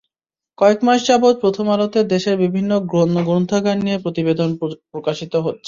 কয়েক মাস যাবৎ প্রথম আলোতে দেশের বিভিন্ন গণগ্রন্থাগার নিয়ে প্রতিবেদন প্রকাশিত হচ্ছে।